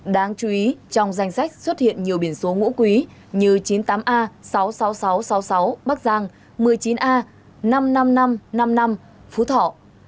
đáng chú ý trong danh sách xuất hiện nhiều biển số ngũ quý như chín mươi tám a sáu mươi sáu nghìn sáu trăm sáu mươi sáu bắc giang một mươi chín a năm mươi năm nghìn năm trăm năm mươi năm phú thọ